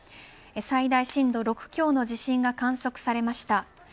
最大震度６強の地震が観測されました。